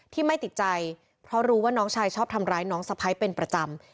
ไม่ติดใจเพราะรู้ว่าน้องชายชอบทำร้ายน้องสะพ้ายเป็นประจำ